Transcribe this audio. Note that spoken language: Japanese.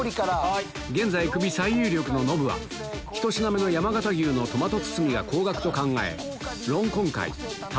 現在クビ最有力のノブは１品目の山形牛のトマト包みが高額と考え